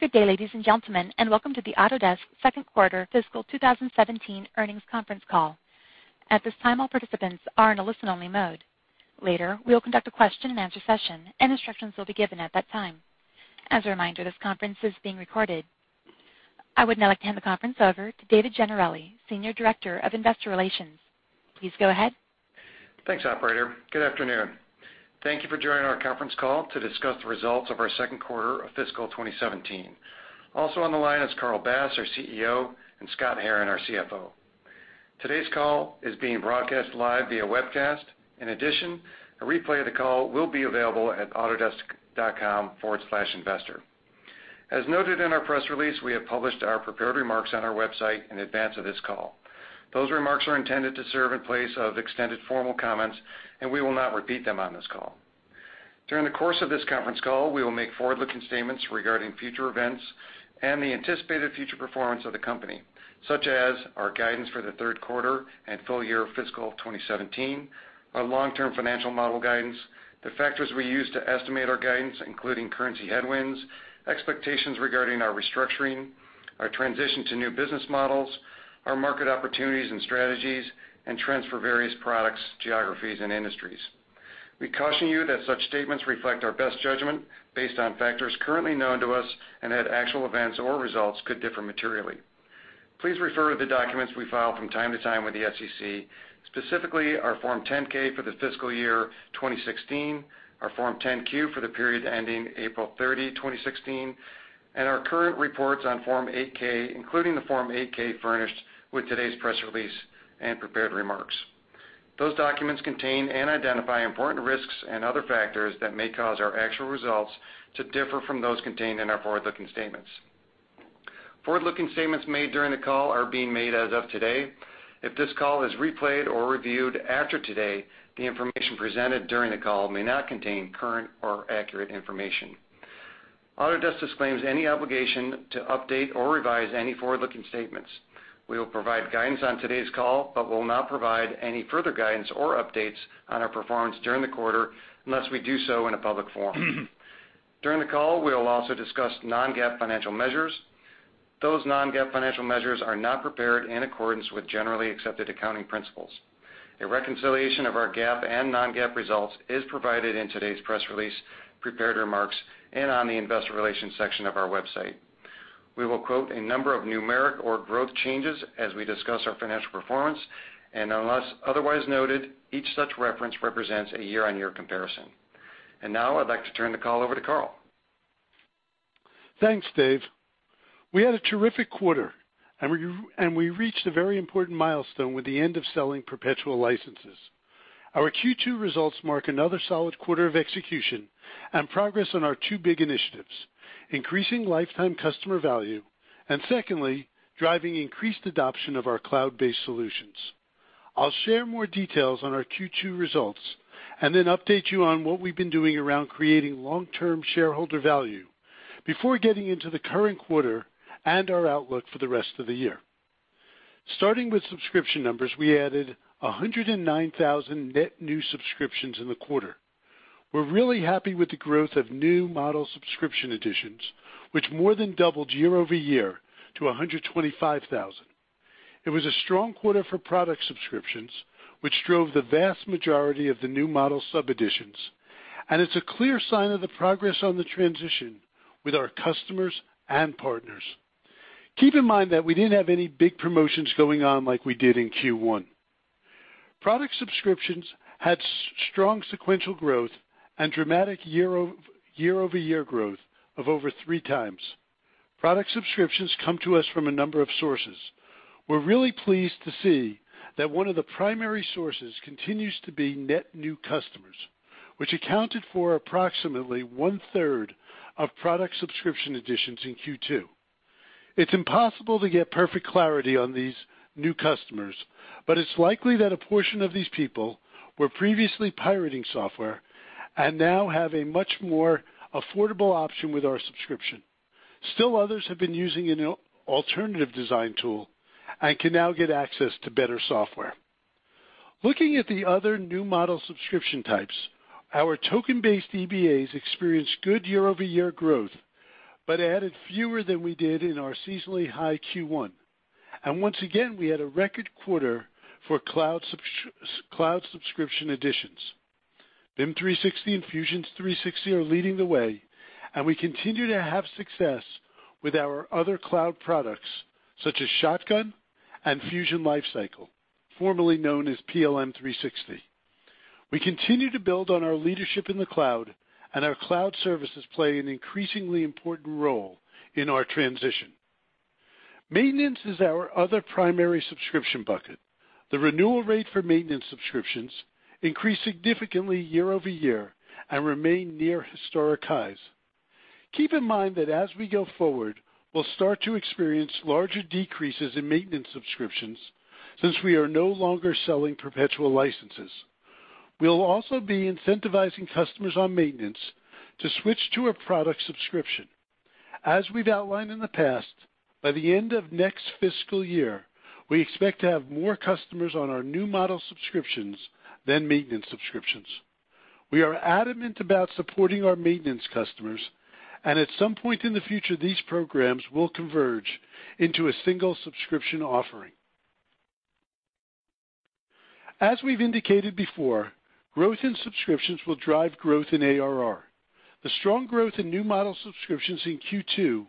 Good day, ladies and gentlemen, and welcome to the Autodesk second quarter fiscal 2017 earnings conference call. At this time, all participants are in a listen-only mode. Later, we will conduct a question-and-answer session, and instructions will be given at that time. As a reminder, this conference is being recorded. I would now like to hand the conference over to David Gennarelli, Senior Director of Investor Relations. Please go ahead. Thanks, operator. Good afternoon. Thank you for joining our conference call to discuss the results of our second quarter of fiscal 2017. Also on the line is Carl Bass, our CEO, and Scott Herren, our CFO. Today's call is being broadcast live via webcast. In addition, a replay of the call will be available at autodesk.com/investor. As noted in our press release, we have published our prepared remarks on our website in advance of this call. Those remarks are intended to serve in place of extended formal comments, and we will not repeat them on this call. During the course of this conference call, we will make forward-looking statements regarding future events and the anticipated future performance of the company, such as our guidance for the third quarter and full year of fiscal 2017, our long-term financial model guidance, the factors we use to estimate our guidance, including currency headwinds, expectations regarding our restructuring, our transition to new business models, our market opportunities and strategies, and trends for various products, geographies, and industries. We caution you that such statements reflect our best judgment based on factors currently known to us, and that actual events or results could differ materially. Please refer to the documents we file from time to time with the SEC, specifically our Form 10-K for the fiscal year 2016, our Form 10-Q for the period ending April 30, 2016, and our current reports on Form 8-K, including the Form 8-K furnished with today's press release and prepared remarks. Those documents contain and identify important risks and other factors that may cause our actual results to differ from those contained in our forward-looking statements. Forward-looking statements made during the call are being made as of today. If this call is replayed or reviewed after today, the information presented during the call may not contain current or accurate information. Autodesk disclaims any obligation to update or revise any forward-looking statements. We will provide guidance on today's call but will not provide any further guidance or updates on our performance during the quarter unless we do so in a public forum. During the call, we will also discuss non-GAAP financial measures. Those non-GAAP financial measures are not prepared in accordance with generally accepted accounting principles. A reconciliation of our GAAP and non-GAAP results is provided in today's press release, prepared remarks, and on the investor relations section of our website. We will quote a number of numeric or growth changes as we discuss our financial performance, unless otherwise noted, each such reference represents a year-over-year comparison. Now, I'd like to turn the call over to Carl. Thanks, Dave. We had a terrific quarter, and we reached a very important milestone with the end of selling perpetual licenses. Our Q2 results mark another solid quarter of execution and progress on our two big initiatives, increasing lifetime customer value, and secondly, driving increased adoption of our cloud-based solutions. I'll share more details on our Q2 results and then update you on what we've been doing around creating long-term shareholder value before getting into the current quarter and our outlook for the rest of the year. Starting with subscription numbers, we added 109,000 net new subscriptions in the quarter. We're really happy with the growth of new model subscription additions, which more than doubled year-over-year to 125,000. It was a strong quarter for product subscriptions, which drove the vast majority of the new model sub additions, and it's a clear sign of the progress on the transition with our customers and partners. Keep in mind that we didn't have any big promotions going on like we did in Q1. Product subscriptions had strong sequential growth and dramatic year-over-year growth of over three times. Product subscriptions come to us from a number of sources. We're really pleased to see that one of the primary sources continues to be net new customers, which accounted for approximately one-third of product subscription additions in Q2. It's impossible to get perfect clarity on these new customers, but it's likely that a portion of these people were previously pirating software and now have a much more affordable option with our subscription. Still, others have been using an alternative design tool and can now get access to better software. Looking at the other new model subscription types, our token-based EBAs experienced good year-over-year growth but added fewer than we did in our seasonally high Q1. Once again, we had a record quarter for cloud subscription additions. BIM 360 and Fusion 360 are leading the way, and we continue to have success with our other cloud products, such as Shotgun and Fusion Lifecycle, formerly known as PLM360. We continue to build on our leadership in the cloud, and our cloud services play an increasingly important role in our transition. Maintenance is our other primary subscription bucket. The renewal rate for maintenance subscriptions increased significantly year-over-year and remain near historic highs. Keep in mind that as we go forward, we'll start to experience larger decreases in maintenance subscriptions since we are no longer selling perpetual licenses. We'll also be incentivizing customers on maintenance to switch to a product subscription. As we've outlined in the past, by the end of next fiscal year, we expect to have more customers on our new model subscriptions than maintenance subscriptions. We are adamant about supporting our maintenance customers, and at some point in the future, these programs will converge into a single subscription offering. As we've indicated before, growth in subscriptions will drive growth in ARR. The strong growth in new model subscriptions in Q2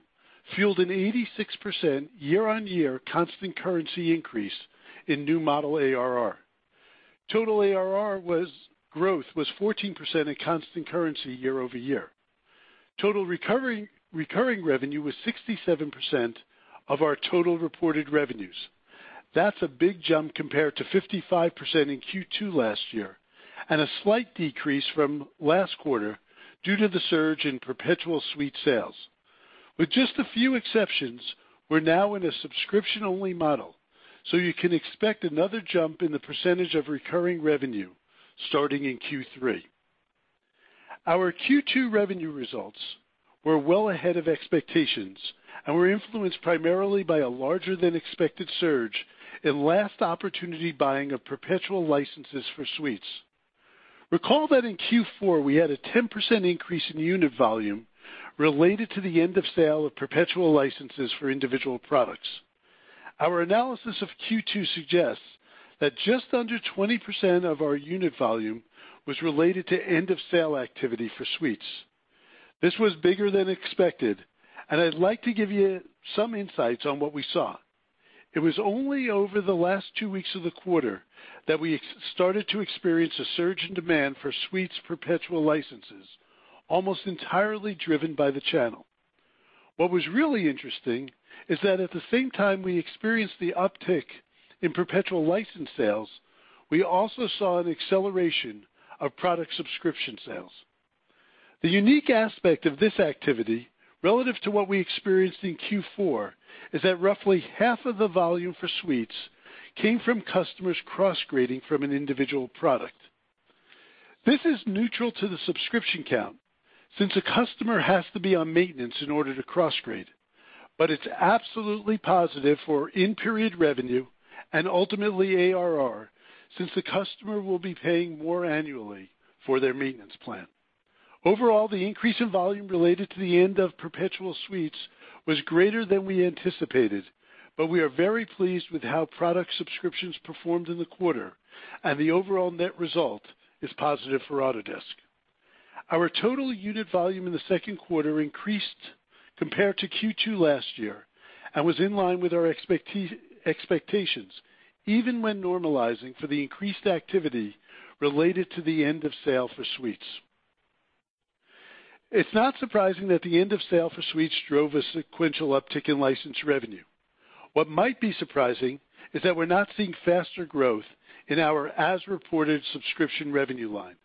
fueled an 86% year-on-year constant currency increase in new model ARR. Total ARR growth was 14% in constant currency year-over-year. Total recurring revenue was 67% of our total reported revenues. That's a big jump compared to 55% in Q2 last year, and a slight decrease from last quarter due to the surge in perpetual suite sales. With just a few exceptions, we're now in a subscription-only model, you can expect another jump in the percentage of recurring revenue starting in Q3. Our Q2 revenue results were well ahead of expectations and were influenced primarily by a larger than expected surge in last opportunity buying of perpetual licenses for suites. Recall that in Q4, we had a 10% increase in unit volume related to the end of sale of perpetual licenses for individual products. Our analysis of Q2 suggests that just under 20% of our unit volume was related to end of sale activity for suites. This was bigger than expected, and I'd like to give you some insights on what we saw. It was only over the last two weeks of the quarter that we started to experience a surge in demand for suites perpetual licenses, almost entirely driven by the channel. What was really interesting is that at the same time we experienced the uptick in perpetual license sales, we also saw an acceleration of product subscription sales. The unique aspect of this activity relative to what we experienced in Q4 is that roughly half of the volume for suites came from customers cross-grading from an individual product. This is neutral to the subscription count, since a customer has to be on maintenance in order to cross-grade. But it's absolutely positive for in-period revenue and ultimately ARR, since the customer will be paying more annually for their maintenance plan. Overall, the increase in volume related to the end of perpetual suites was greater than we anticipated, but we are very pleased with how product subscriptions performed in the quarter, and the overall net result is positive for Autodesk. Our total unit volume in the second quarter increased compared to Q2 last year and was in line with our expectations, even when normalizing for the increased activity related to the end of sale for suites. It's not surprising that the end of sale for suites drove a sequential uptick in license revenue. What might be surprising is that we're not seeing faster growth in our as-reported subscription revenue line.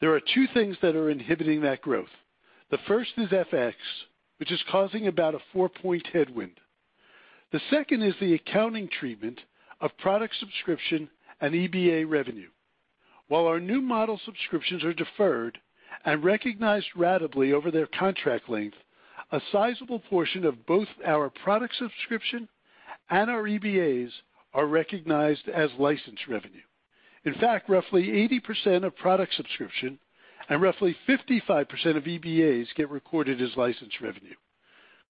There are two things that are inhibiting that growth. The first is FX, which is causing about a four-point headwind. The second is the accounting treatment of product subscription and EBA revenue. While our new model subscriptions are deferred and recognized ratably over their contract length, a sizable portion of both our product subscription and our EBAs are recognized as license revenue. In fact, roughly 80% of product subscription and roughly 55% of EBAs get recorded as license revenue.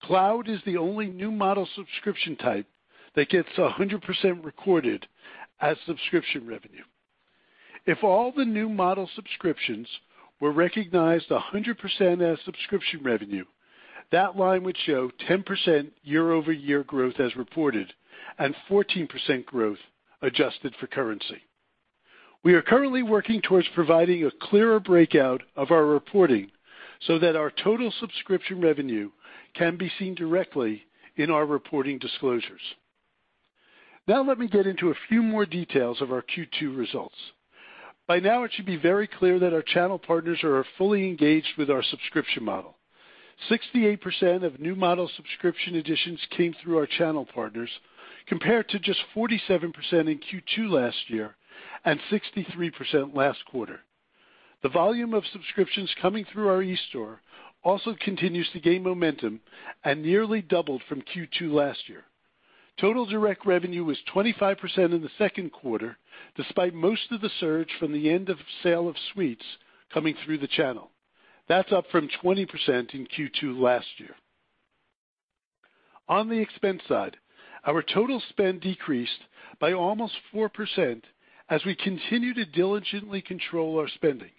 Cloud is the only new model subscription type that gets 100% recorded as subscription revenue. If all the new model subscriptions were recognized 100% as subscription revenue, that line would show 10% year-over-year growth as reported, and 14% growth adjusted for currency. We are currently working towards providing a clearer breakout of our reporting so that our total subscription revenue can be seen directly in our reporting disclosures. Let me get into a few more details of our Q2 results. By now, it should be very clear that our channel partners are fully engaged with our subscription model. 68% of new model subscription additions came through our channel partners, compared to just 47% in Q2 last year and 63% last quarter. The volume of subscriptions coming through our eStore also continues to gain momentum and nearly doubled from Q2 last year. Total direct revenue was 25% in the second quarter, despite most of the surge from the end of sale of suites coming through the channel. That's up from 20% in Q2 last year. On the expense side, our total spend decreased by almost 4% as we continue to diligently control our spending.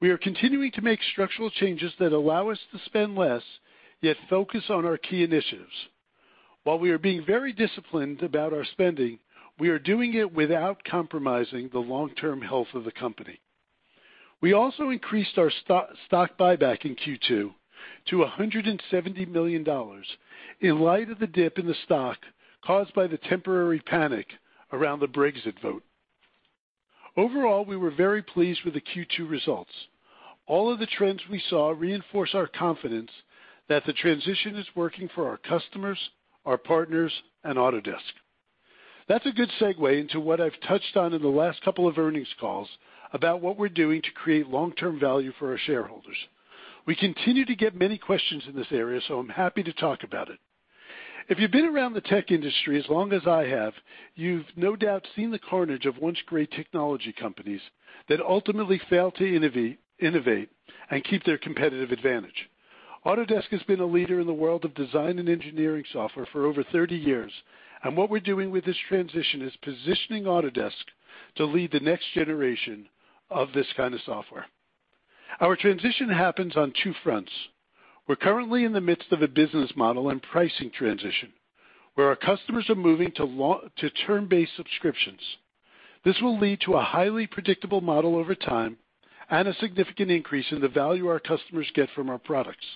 We are continuing to make structural changes that allow us to spend less, yet focus on our key initiatives. While we are being very disciplined about our spending, we are doing it without compromising the long-term health of the company. We also increased our stock buyback in Q2 to $170 million in light of the dip in the stock caused by the temporary panic around the Brexit vote. Overall, we were very pleased with the Q2 results. All of the trends we saw reinforce our confidence that the transition is working for our customers, our partners, and Autodesk. That's a good segue into what I've touched on in the last couple of earnings calls about what we're doing to create long-term value for our shareholders. We continue to get many questions in this area, so I'm happy to talk about it. If you've been around the tech industry as long as I have, you've no doubt seen the carnage of once-great technology companies that ultimately fail to innovate and keep their competitive advantage. Autodesk has been a leader in the world of design and engineering software for over 30 years, what we're doing with this transition is positioning Autodesk to lead the next generation of this kind of software. Our transition happens on two fronts. We're currently in the midst of a business model and pricing transition, where our customers are moving to term-based subscriptions. This will lead to a highly predictable model over time and a significant increase in the value our customers get from our products.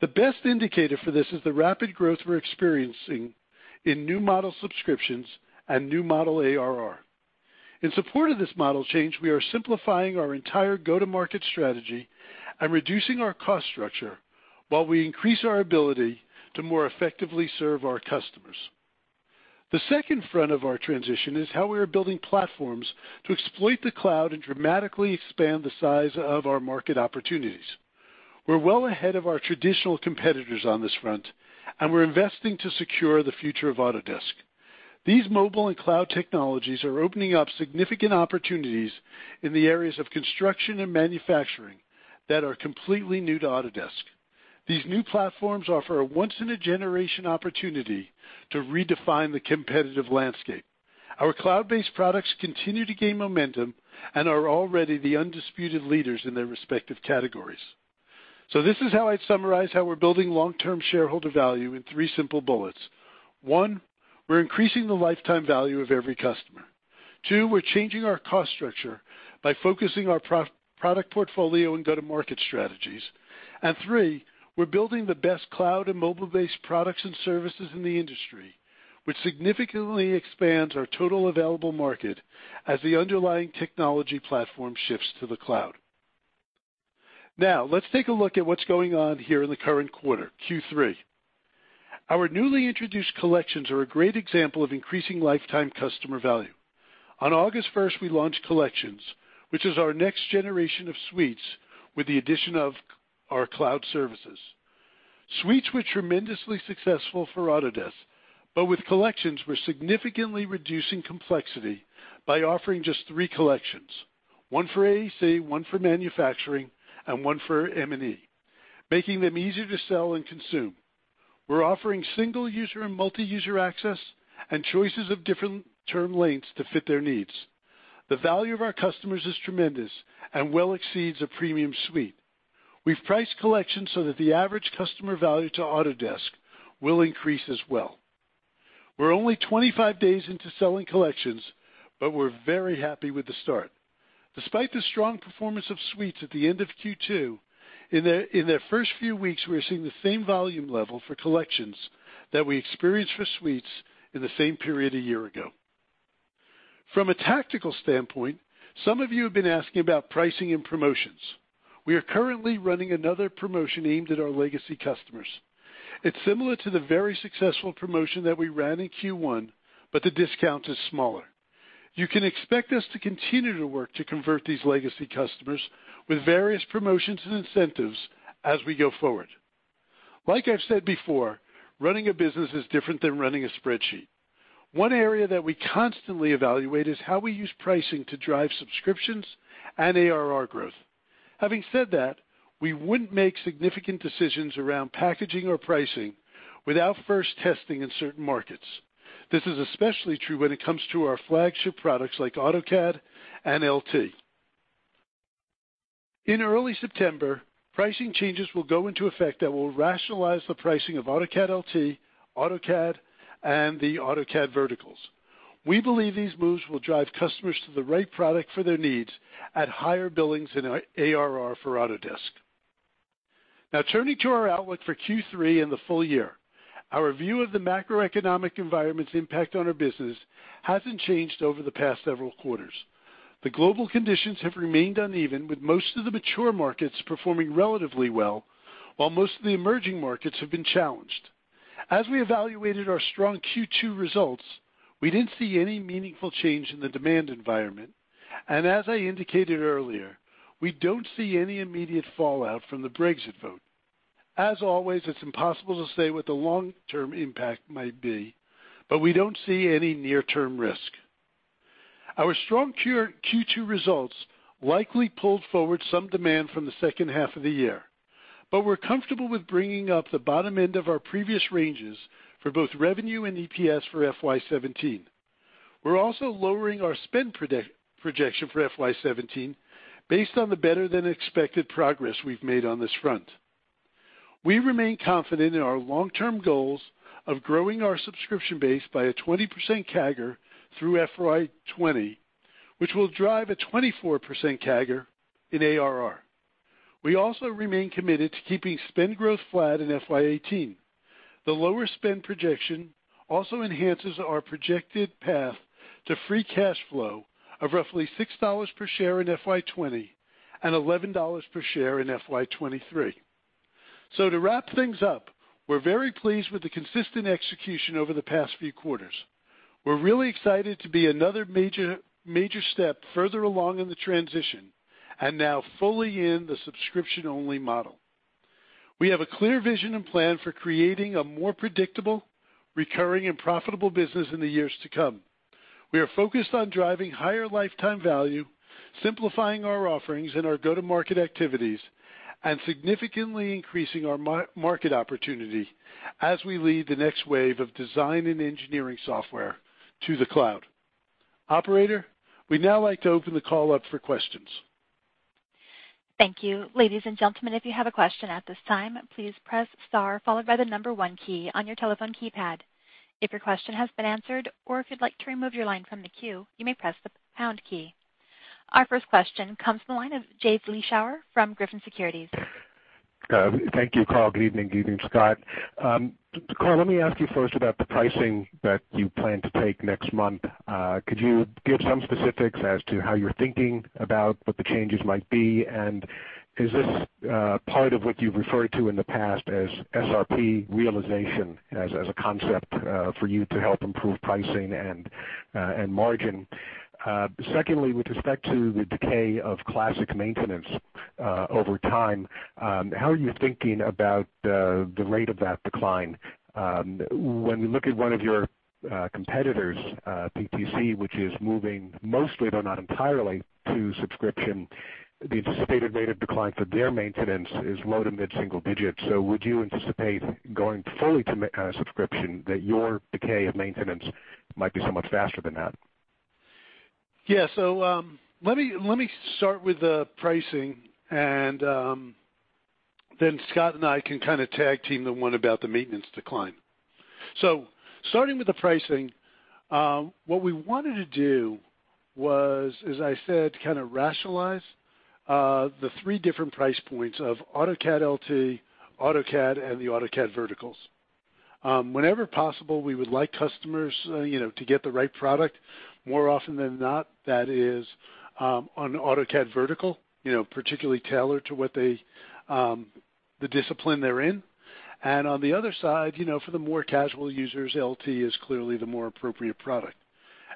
The best indicator for this is the rapid growth we're experiencing in new model subscriptions and new model ARR. In support of this model change, we are simplifying our entire go-to market strategy and reducing our cost structure while we increase our ability to more effectively serve our customers. The second front of our transition is how we are building platforms to exploit the cloud and dramatically expand the size of our market opportunities. We're well ahead of our traditional competitors on this front, and we're investing to secure the future of Autodesk. These mobile and cloud technologies are opening up significant opportunities in the areas of construction and manufacturing that are completely new to Autodesk. These new platforms offer a once-in-a-generation opportunity to redefine the competitive landscape. Our cloud-based products continue to gain momentum and are already the undisputed leaders in their respective categories. This is how I'd summarize how we're building long-term shareholder value in three simple bullets. One, we're increasing the lifetime value of every customer. Two, we're changing our cost structure by focusing our product portfolio and go-to-market strategies. Three, we're building the best cloud and mobile-based products and services in the industry, which significantly expands our total available market as the underlying technology platform shifts to the cloud. Let's take a look at what's going on here in the current quarter, Q3. Our newly introduced Collections are a great example of increasing lifetime customer value. On August 1st, we launched Collections, which is our next generation of suites with the addition of our cloud services. Suites were tremendously successful for Autodesk, but with Collections, we're significantly reducing complexity by offering just three Collections. One for AEC, one for manufacturing, and one for M&E, making them easier to sell and consume. We're offering single-user and multi-user access and choices of different term lengths to fit their needs. The value of our customers is tremendous and well exceeds a premium suite. We've priced Collections so that the average customer value to Autodesk will increase as well. We're only 25 days into selling Collections, but we're very happy with the start. Despite the strong performance of Suites at the end of Q2, in their first few weeks, we are seeing the same volume level for Collections that we experienced for Suites in the same period a year ago. From a tactical standpoint, some of you have been asking about pricing and promotions. We are currently running another promotion aimed at our legacy customers. It's similar to the very successful promotion that we ran in Q1, but the discount is smaller. You can expect us to continue to work to convert these legacy customers with various promotions and incentives as we go forward. Like I've said before, running a business is different than running a spreadsheet. One area that we constantly evaluate is how we use pricing to drive subscriptions and ARR growth. Having said that, we wouldn't make significant decisions around packaging or pricing without first testing in certain markets. This is especially true when it comes to our flagship products like AutoCAD and LT. In early September, pricing changes will go into effect that will rationalize the pricing of AutoCAD LT, AutoCAD, and the AutoCAD verticals. We believe these moves will drive customers to the right product for their needs at higher billings in our ARR for Autodesk. Turning to our outlook for Q3 and the full year. Our view of the macroeconomic environment's impact on our business hasn't changed over the past several quarters. The global conditions have remained uneven, with most of the mature markets performing relatively well, while most of the emerging markets have been challenged. As we evaluated our strong Q2 results, we didn't see any meaningful change in the demand environment. As I indicated earlier, we don't see any immediate fallout from the Brexit vote. As always, it's impossible to say what the long-term impact might be, but we don't see any near-term risk. Our strong Q2 results likely pulled forward some demand from the second half of the year. We're comfortable with bringing up the bottom end of our previous ranges for both revenue and EPS for FY 2017. We're also lowering our spend projection for FY 2017 based on the better-than-expected progress we've made on this front. We remain confident in our long-term goals of growing our subscription base by a 20% CAGR through FY 2020, which will drive a 24% CAGR in ARR. We also remain committed to keeping spend growth flat in FY 2018. The lower spend projection also enhances our projected path to free cash flow of roughly $6 per share in FY 2020 and $11 per share in FY 2023. To wrap things up, we're very pleased with the consistent execution over the past few quarters. We're really excited to be another major step further along in the transition and now fully in the subscription-only model. We have a clear vision and plan for creating a more predictable, recurring, and profitable business in the years to come. We are focused on driving higher lifetime value, simplifying our offerings and our go-to-market activities, and significantly increasing our market opportunity as we lead the next wave of design and engineering software to the cloud. Operator, we'd now like to open the call up for questions. Thank you. Ladies and gentlemen, if you have a question at this time, please press star followed by the number one key on your telephone keypad. If your question has been answered or if you'd like to remove your line from the queue, you may press the pound key. Our first question comes from the line of Jay Vleeschhouwer from Griffin Securities. Thank you, Carl. Good evening, Scott. Carl, let me ask you first about the pricing that you plan to take next month. Could you give some specifics as to how you're thinking about what the changes might be? Is this part of what you've referred to in the past as SRP realization as a concept for you to help improve pricing and margin? Secondly, with respect to the decay of classic maintenance over time, how are you thinking about the rate of that decline? When we look at one of your competitors, PTC, which is moving mostly, though not entirely, to subscription, the anticipated rate of decline for their maintenance is low to mid-single digits. Would you anticipate going fully to subscription that your decay of maintenance might be so much faster than that? Yeah. Let me start with the pricing, then Scott and I can tag team the one about the maintenance decline. Starting with the pricing, what we wanted to do was, as I said, rationalize the three different price points of AutoCAD LT, AutoCAD, and the AutoCAD verticals. Whenever possible, we would like customers to get the right product. More often than not, that is on AutoCAD vertical, particularly tailored to the discipline they're in. On the other side, for the more casual users, LT is clearly the more appropriate product.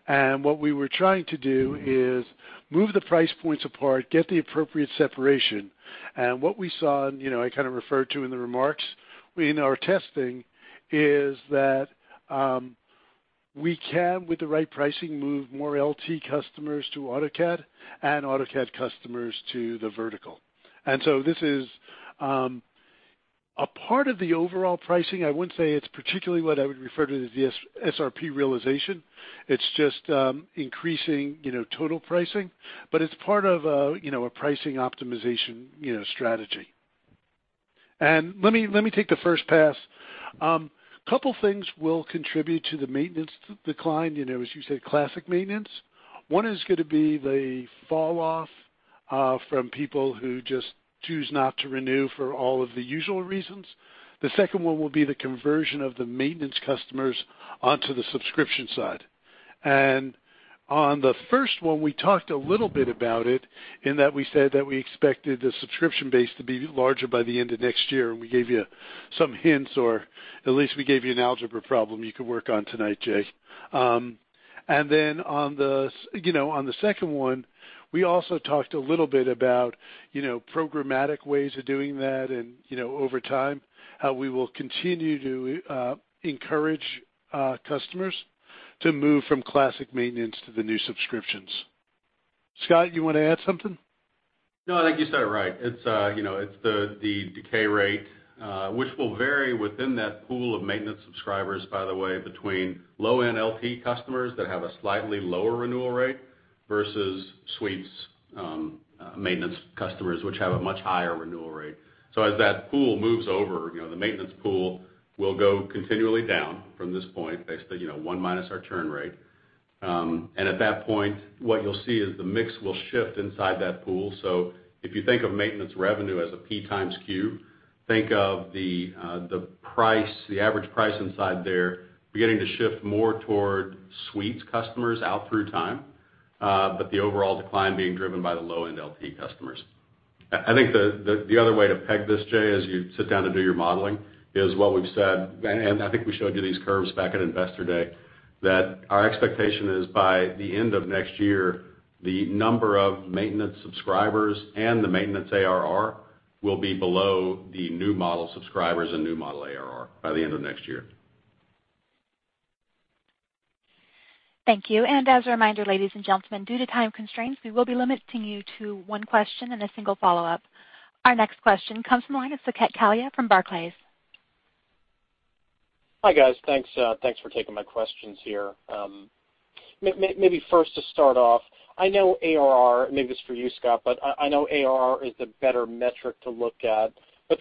What we were trying to do is move the price points apart, get the appropriate separation. What we saw, and I referred to in the remarks, in our testing, is that we can, with the right pricing, move more LT customers to AutoCAD and AutoCAD customers to the vertical. This is a part of the overall pricing. I wouldn't say it's particularly what I would refer to as the SRP realization. It's just increasing total pricing. It's part of a pricing optimization strategy. Let me take the first pass. Couple things will contribute to the maintenance decline, as you said, classic maintenance. One is going to be the fall off from people who just choose not to renew for all of the usual reasons. The second one will be the conversion of the maintenance customers onto the subscription side. On the first one, we talked a little bit about it in that we said that we expected the subscription base to be larger by the end of next year, and we gave you some hints, or at least we gave you an algebra problem you could work on tonight, Jay. On the second one, we also talked a little bit about programmatic ways of doing that, and over time, how we will continue to encourage customers to move from classic maintenance to the new subscriptions. Scott, you want to add something? No, I think you said it right. It's the decay rate, which will vary within that pool of maintenance subscribers, by the way, between low-end LT customers that have a slightly lower renewal rate versus suites maintenance customers, which have a much higher renewal rate. As that pool moves over, the maintenance pool will go continually down from this point based on one minus our churn rate. At that point, what you'll see is the mix will shift inside that pool. If you think of maintenance revenue as a P times Q, think of the average price inside there beginning to shift more toward suites customers out through time. The overall decline being driven by the low-end LT customers. I think the other way to peg this, Jay, as you sit down to do your modeling, is what we've said, I think we showed you these curves back at Investor Day, that our expectation is by the end of next year, the number of maintenance subscribers and the maintenance ARR will be below the new model subscribers and new model ARR by the end of next year. Thank you. As a reminder, ladies and gentlemen, due to time constraints, we will be limiting you to one question and a single follow-up. Our next question comes from the line of Saket Kalia from Barclays. Hi, guys. Thanks for taking my questions here. Maybe first to start off, I know ARR, maybe this is for you, Scott, I know ARR is the better metric to look at.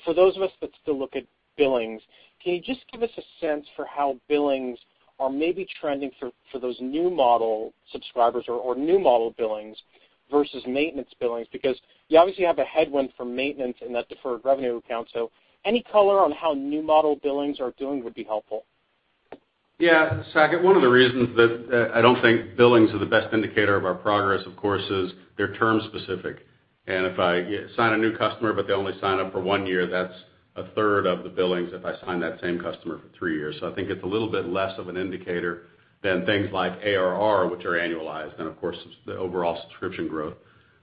For those of us that still look at billings, can you just give us a sense for how billings are maybe trending for those new model subscribers or new model billings versus maintenance billings? Because you obviously have a headwind for maintenance in that deferred revenue account. Any color on how new model billings are doing would be helpful. Yeah, Saket, one of the reasons that I don't think billings are the best indicator of our progress, of course, is they're term specific. If I sign a new customer, they only sign up for one year, that's a third of the billings if I sign that same customer for three years. I think it's a little bit less of an indicator than things like ARR, which are annualized, and of course, the overall subscription growth.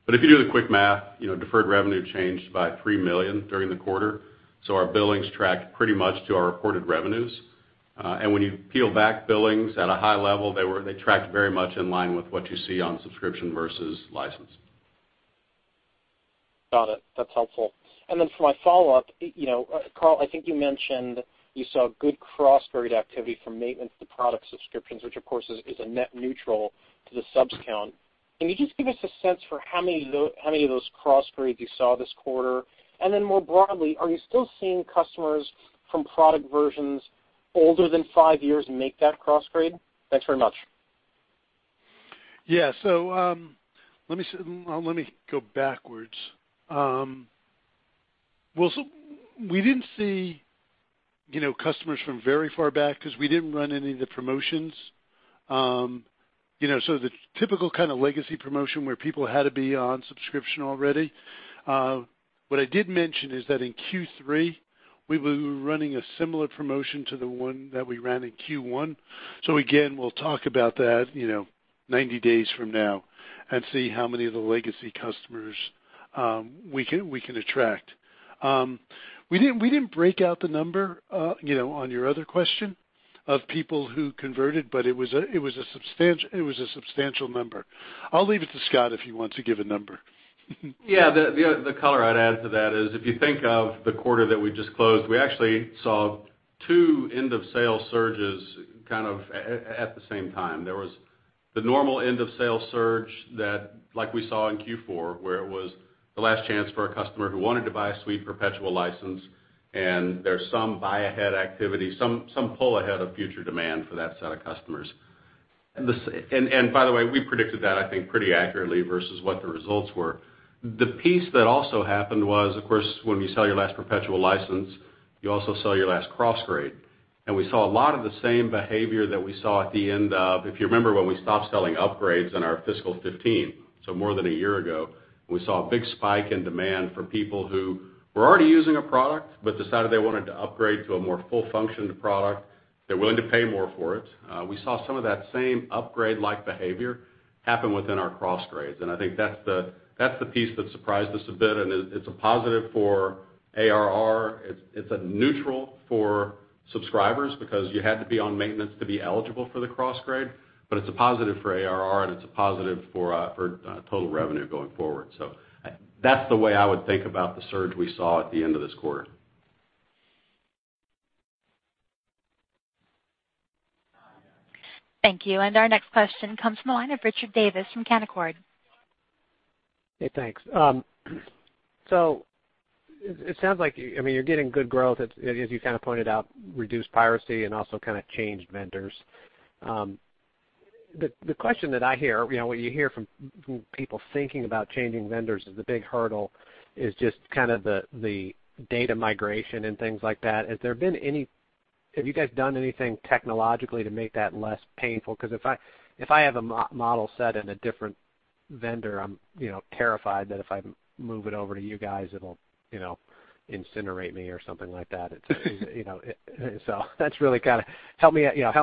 If you do the quick math, deferred revenue changed by $3 million during the quarter. Our billings tracked pretty much to our reported revenues. When you peel back billings at a high level, they tracked very much in line with what you see on subscription versus license. Got it. That's helpful. For my follow-up, Carl, I think you mentioned you saw good cross-grade activity from maintenance to product subscriptions, which of course, is a net neutral to the subs count. Can you just give us a sense for how many of those cross-grades you saw this quarter? And more broadly, are you still seeing customers from product versions older than five years make that cross-grade? Thanks very much. Yeah. Let me go backwards. We didn't see customers from very far back because we didn't run any of the promotions. The typical kind of legacy promotion where people had to be on subscription already. What I did mention is that in Q3, we will be running a similar promotion to the one that we ran in Q1. Again, we'll talk about that 90 days from now and see how many of the legacy customers we can attract. We didn't break out the number, on your other question, of people who converted, but it was a substantial number. I'll leave it to Scott if he wants to give a number. Yeah. The color I'd add to that is if you think of the quarter that we just closed, we actually saw two end of sale surges kind of at the same time. There was the normal end of sale surge that, like we saw in Q4, where it was the last chance for a customer who wanted to buy a suite perpetual license, there's some buy ahead activity, some pull ahead of future demand for that set of customers. By the way, we predicted that I think pretty accurately versus what the results were. The piece that also happened was, of course, when you sell your last perpetual license, you also sell your last cross-grade. We saw a lot of the same behavior that we saw at the end of If you remember when we stopped selling upgrades in our fiscal 2015, more than a year ago, we saw a big spike in demand for people who were already using a product, but decided they wanted to upgrade to a more full-functioned product. They're willing to pay more for it. We saw some of that same upgrade-like behavior happen within our cross-grades. I think that's the piece that surprised us a bit, it's a positive for ARR. It's a neutral for subscribers because you had to be on maintenance to be eligible for the cross-grade. It's a positive for ARR, and it's a positive for total revenue going forward. That's the way I would think about the surge we saw at the end of this quarter. Thank you. Our next question comes from the line of Richard Davis from Canaccord. Hey, thanks. It sounds like, you're getting good growth as you kind of pointed out, reduced piracy and also kind of changed vendors. The question that I hear, what you hear from people thinking about changing vendors is the big hurdle is just kind of the data migration and things like that. Have you guys done anything technologically to make that less painful? Because if I have a model set in a different vendor, I'm terrified that if I move it over to you guys, it'll incinerate me or something like that. That's really kind of Help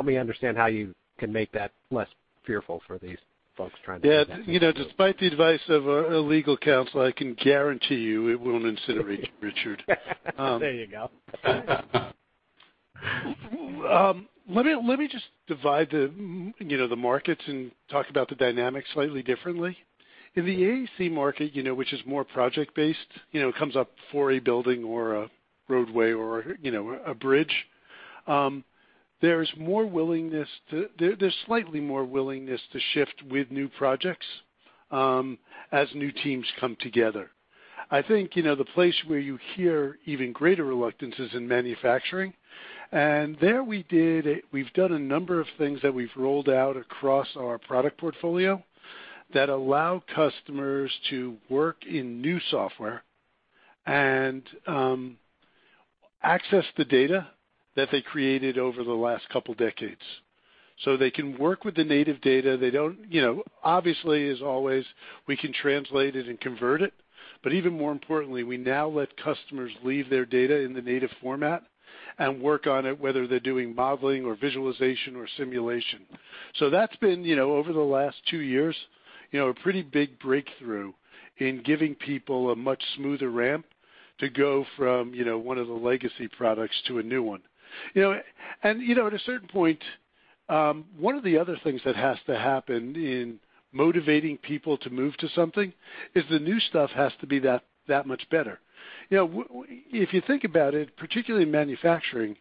me understand how you can make that less fearful for these folks trying to make that transition. Yeah. Despite the advice of our legal counsel, I can guarantee you it won't incinerate you, Richard. There you go. Let me just divide the markets and talk about the dynamics slightly differently. In the AEC market which is more project-based, it comes up for a building or a roadway or a bridge. There's slightly more willingness to shift with new projects, as new teams come together. I think the place where you hear even greater reluctance is in manufacturing. There we've done a number of things that we've rolled out across our product portfolio that allow customers to work in new software and access the data that they created over the last couple of decades. They can work with the native data. Obviously, as always, we can translate it and convert it, but even more importantly, we now let customers leave their data in the native format and work on it, whether they're doing modeling or visualization or simulation. That's been, over the last two years, a pretty big breakthrough in giving people a much smoother ramp to go from one of the legacy products to a new one. At a certain point, one of the other things that has to happen in motivating people to move to something is the new stuff has to be that much better. If you think about it, particularly in manufacturing,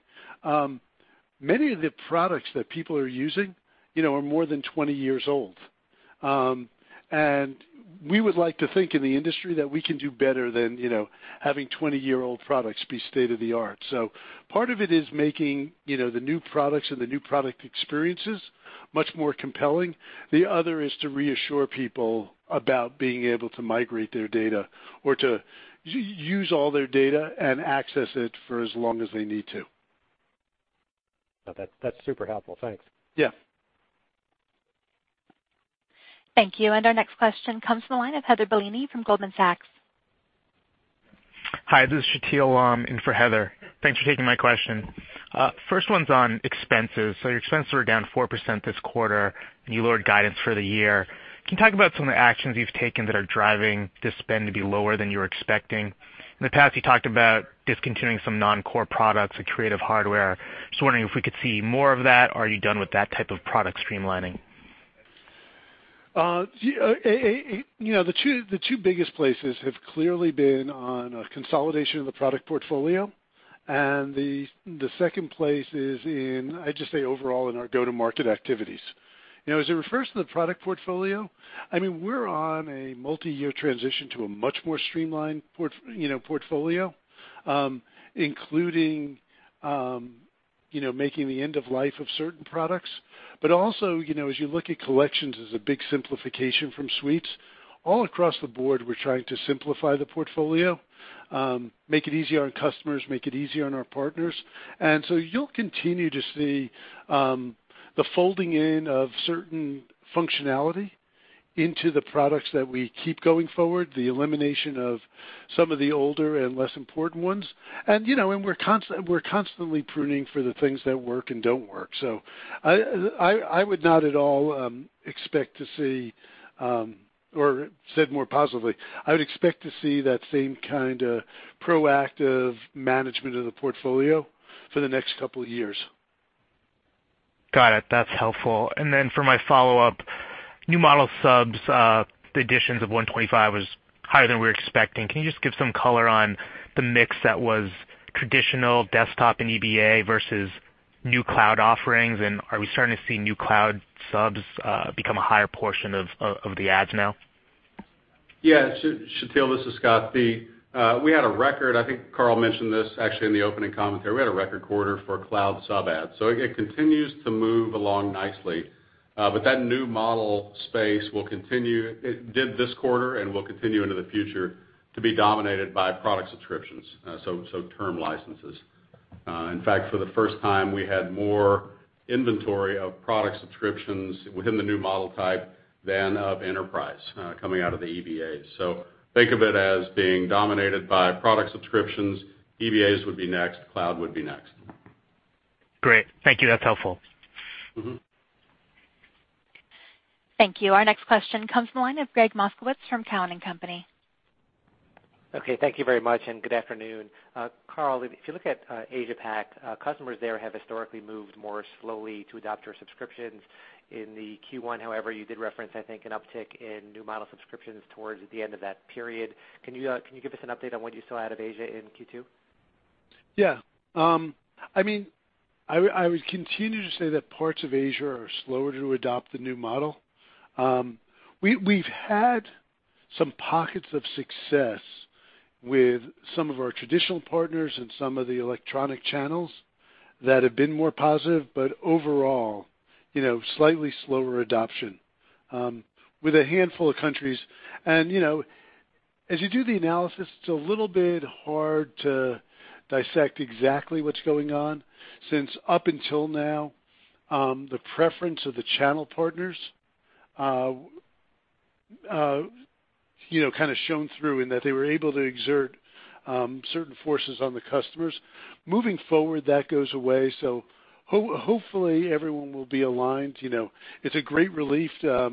many of the products that people are using are more than 20 years old. We would like to think in the industry that we can do better than having 20-year-old products be state-of-the-art. Part of it is making the new products and the new product experiences much more compelling. The other is to reassure people about being able to migrate their data or to use all their data and access it for as long as they need to. That's super helpful. Thanks. Yeah. Thank you. Our next question comes from the line of Heather Bellini from Goldman Sachs. Hi, this is Shetal in for Heather. Thanks for taking my question. First one's on expenses. Your expenses were down 4% this quarter, and you lowered guidance for the year. Can you talk about some of the actions you've taken that are driving this spend to be lower than you were expecting? In the past, you talked about discontinuing some non-core products like Creative Hardware. Just wondering if we could see more of that. Are you done with that type of product streamlining? The two biggest places have clearly been on consolidation of the product portfolio, and the second place is in, I'd just say, overall in our go-to-market activities. As it refers to the product portfolio, we're on a multi-year transition to a much more streamlined portfolio, including making the end of life of certain products. Also, as you look at Collections as a big simplification from Suites, all across the board, we're trying to simplify the portfolio, make it easier on customers, make it easier on our partners. You'll continue to see the folding in of certain functionality into the products that we keep going forward, the elimination of some of the older and less important ones. We're constantly pruning for the things that work and don't work. I would not at all expect to see, or said more positively, I would expect to see that same kind of proactive management of the portfolio for the next couple of years. Got it. That's helpful. For my follow-up, new model subs, the additions of 125 was higher than we were expecting. Can you just give some color on the mix that was traditional desktop and EBA versus new cloud offerings? Are we starting to see new cloud subs become a higher portion of the ads now? Yeah, Shetal, this is Scott. We had a record, I think Carl mentioned this actually in the opening commentary. We had a record quarter for cloud sub ads. It continues to move along nicely. That new model space did this quarter and will continue into the future to be dominated by product subscriptions, so term licenses. In fact, for the first time, we had more inventory of product subscriptions within the new model type than of Enterprise coming out of the EBAs. Think of it as being dominated by product subscriptions. EBAs would be next, cloud would be next. Great. Thank you. That's helpful. Thank you. Our next question comes from the line of Gregg Moskowitz from Cowen and Company. Okay, thank you very much. Good afternoon. Carl, if you look at Asia-Pac, customers there have historically moved more slowly to adopt your subscriptions. In the Q1, however, you did reference, I think, an uptick in new model subscriptions towards the end of that period. Can you give us an update on what you saw out of Asia in Q2? Yeah. I would continue to say that parts of Asia are slower to adopt the new model. We've had some pockets of success with some of our traditional partners and some of the electronic channels that have been more positive, but overall, slightly slower adoption with a handful of countries. As you do the analysis, it's a little bit hard to dissect exactly what's going on, since up until now the preference of the channel partners kind of shown through in that they were able to exert certain forces on the customers. Moving forward, that goes away, so hopefully everyone will be aligned. It's a great relief to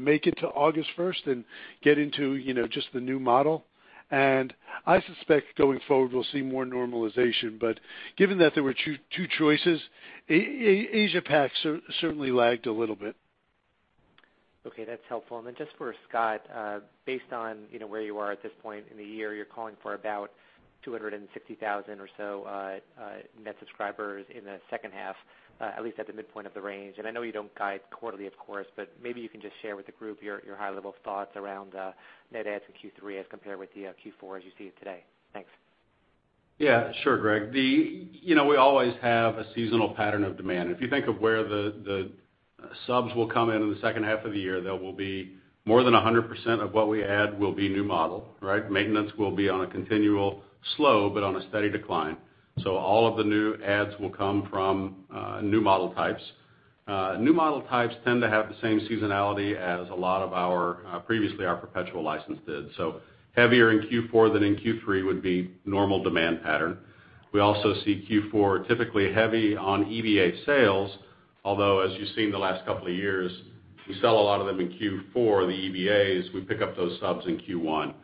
make it to August 1st and get into just the new model. I suspect going forward, we'll see more normalization. Given that there were two choices, Asia-Pac certainly lagged a little bit. Okay, that's helpful. Then just for Scott, based on where you are at this point in the year, you're calling for about 260,000 or so net subscribers in the second half, at least at the midpoint of the range. I know you don't guide quarterly, of course, but maybe you can just share with the group your high-level thoughts around net adds in Q3 as compared with Q4 as you see it today. Thanks. Yeah, sure, Gregg. We always have a seasonal pattern of demand. If you think of where the subs will come in the second half of the year, more than 100% of what we add will be new model. Maintenance will be on a continual slow but on a steady decline. All of the new adds will come from new model types. New model types tend to have the same seasonality as a lot of our previously our perpetual license did. Heavier in Q4 than in Q3 would be normal demand pattern. We also see Q4 typically heavy on EBA sales, although as you've seen the last couple of years, we sell a lot of them in Q4, the EBAs, we pick up those subs in Q1.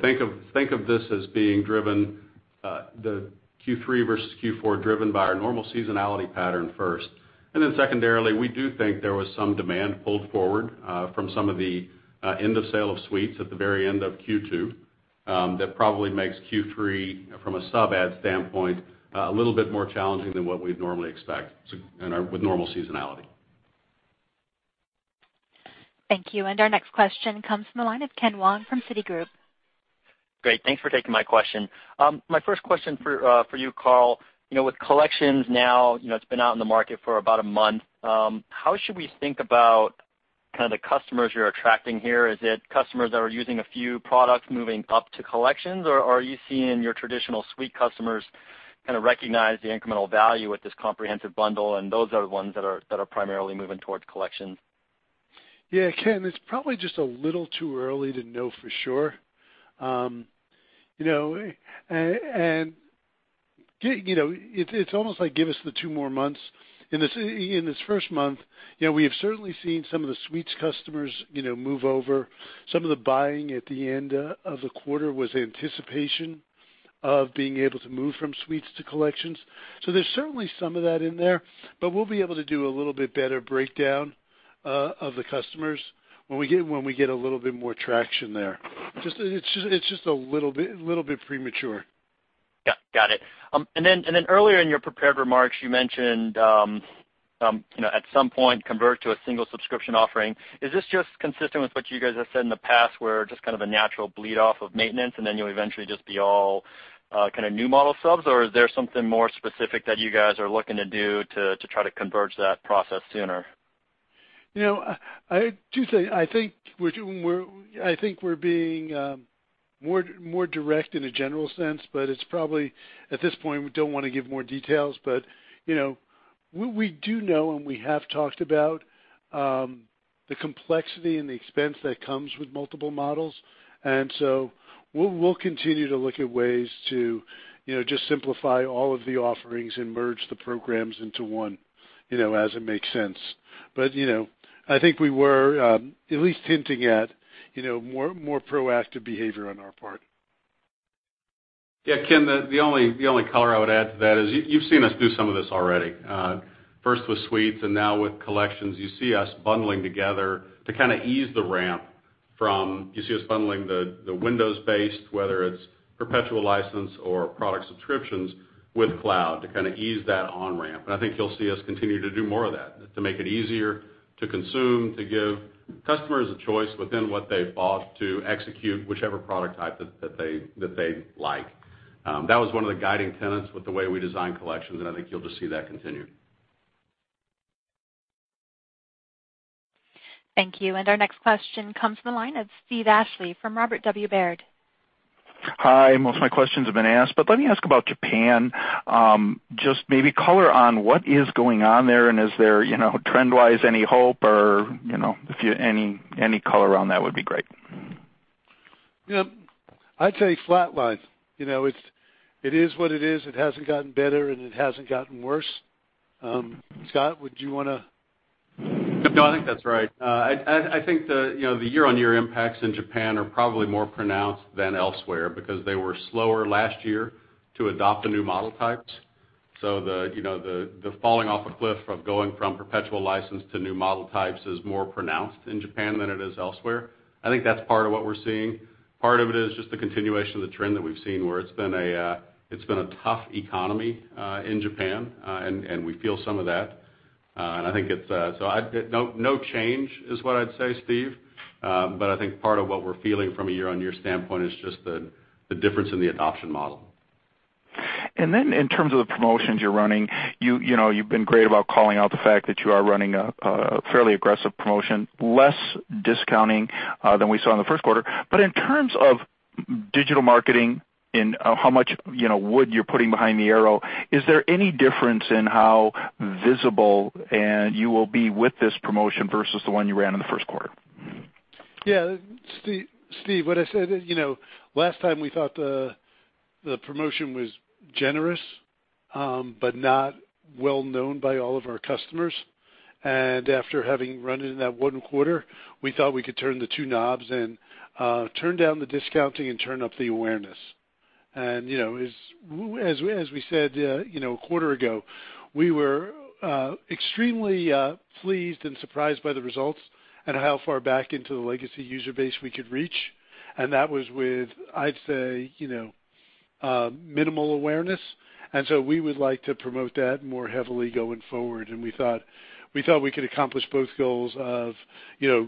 Think of this as being driven, the Q3 versus Q4 driven by our normal seasonality pattern first. Then secondarily, we do think there was some demand pulled forward from some of the end-of-sale of Suites at the very end of Q2 that probably makes Q3 from a sub add standpoint a little bit more challenging than what we'd normally expect with normal seasonality. Thank you. Our next question comes from the line of Ken Wong from Citigroup. Great. Thanks for taking my question. My first question for you, Carl. With Collections now, it's been out in the market for about a month, how should we think about kind of the customers you're attracting here? Is it customers that are using a few products moving up to Collections, or are you seeing your traditional Suites customers kind of recognize the incremental value with this comprehensive bundle, and those are the ones that are primarily moving towards Collections? Yeah, Ken, it's probably just a little too early to know for sure. It's almost like give us the two more months. In this first month, we have certainly seen some of the Suites customers move over. Some of the buying at the end of the quarter was anticipation of being able to move from Suites to Collections. There's certainly some of that in there. We'll be able to do a little bit better breakdown of the customers when we get a little bit more traction there. It's just a little bit premature. Got it. Then earlier in your prepared remarks, you mentioned at some point, convert to a single subscription offering. Is this just consistent with what you guys have said in the past, where just kind of a natural bleed off of maintenance, and then you'll eventually just be all new model subs? Or is there something more specific that you guys are looking to do to try to converge that process sooner? I do think we're being more direct in a general sense, it's probably at this point, we don't want to give more details. We do know, and we have talked about, the complexity and the expense that comes with multiple models. We'll continue to look at ways to just simplify all of the offerings and merge the programs into one, as it makes sense. I think we were at least hinting at more proactive behavior on our part. Yeah, Ken, the only color I would add to that is you've seen us do some of this already. First with Suites and now with Collections, you see us bundling together to ease the ramp, you see us bundling the Windows-based, whether it's perpetual license or product subscriptions with cloud to ease that on-ramp. I think you'll see us continue to do more of that to make it easier to consume, to give customers a choice within what they've bought to execute whichever product type that they like. That was one of the guiding tenets with the way we designed Collections, I think you'll just see that continue. Thank you. Our next question comes from the line of Steve Ashley from Robert W. Baird. Hi, most of my questions have been asked, let me ask about Japan. Just maybe color on what is going on there and is there trend-wise any hope or if any color around that would be great. I'd say flatline. It is what it is. It hasn't gotten better and it hasn't gotten worse. Scott, would you want to- No, I think that's right. I think the year-over-year impacts in Japan are probably more pronounced than elsewhere because they were slower last year to adopt the new model types. The falling off a cliff of going from perpetual license to new model types is more pronounced in Japan than it is elsewhere. I think that's part of what we're seeing. Part of it is just the continuation of the trend that we've seen where it's been a tough economy in Japan, and we feel some of that. No change is what I'd say, Steve. I think part of what we're feeling from a year-over-year standpoint is just the difference in the adoption model. In terms of the promotions you're running, you've been great about calling out the fact that you are running a fairly aggressive promotion, less discounting than we saw in the first quarter. In terms of digital marketing and how much wood you're putting behind the arrow, is there any difference in how visible you will be with this promotion versus the one you ran in the first quarter? Yeah, Steve, what I said, last time we thought the promotion was generous, but not well known by all of our customers. After having run it in that one quarter, we thought we could turn the two knobs and turn down the discounting and turn up the awareness. As we said a quarter ago, we were extremely pleased and surprised by the results and how far back into the legacy user base we could reach. That was with, I'd say, minimal awareness. We would like to promote that more heavily going forward. We thought we could accomplish both goals of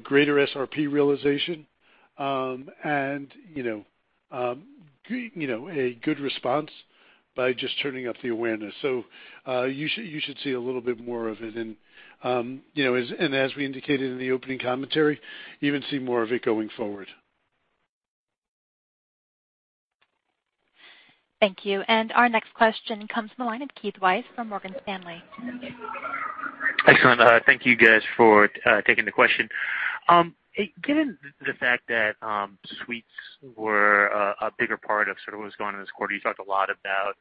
greater SRP realization, and a good response by just turning up the awareness. You should see a little bit more of it. As we indicated in the opening commentary, even see more of it going forward. Thank you. Our next question comes from the line of Keith Weiss from Morgan Stanley. Excellent. Thank you guys for taking the question. Given the fact that Suites were a bigger part of sort of what was going on this quarter, you talked a lot about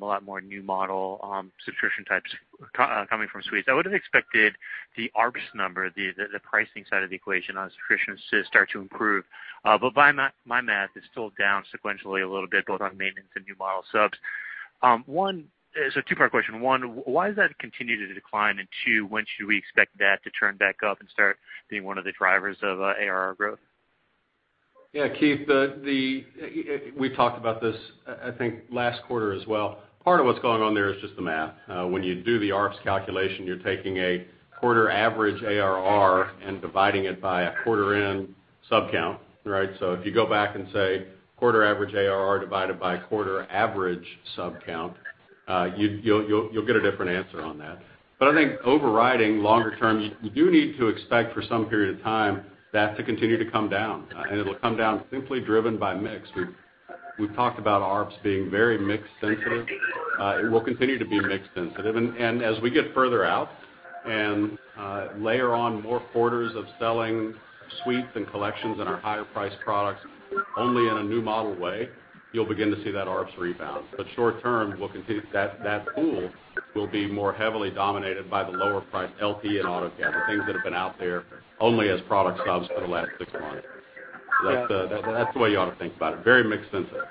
a lot more new model subscription types coming from Suites. I would have expected the ARPS number, the pricing side of the equation on subscriptions to start to improve. By my math, it's still down sequentially a little bit, both on maintenance and new model subs. 2-part question. 1, why does that continue to decline? 2, when should we expect that to turn back up and start being one of the drivers of ARR growth? Yeah, Keith. We talked about this, I think, last quarter as well. Part of what's going on there is just the math. When you do the ARPS calculation, you're taking a quarter average ARR and dividing it by a quarter end sub count. If you go back and say quarter average ARR divided by quarter average sub count, you'll get a different answer on that. I think overriding longer term, you do need to expect for some period of time that to continue to come down. It'll come down simply driven by mix. We've talked about ARPS being very mix sensitive. It will continue to be mix sensitive. As we get further out and layer on more quarters of selling Suites and Collections and our higher priced products only in a new model way, you'll begin to see that ARPS rebound. Short term, that pool will be more heavily dominated by the lower priced LT and AutoCAD, the things that have been out there only as product subs for the last six months. Yeah. That's the way you ought to think about it, very mix sensitive.